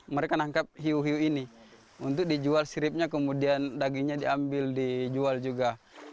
mereka nangkap hiu hiu ini untuk dijual siripnya kemudian dagingnya diambil dijual juga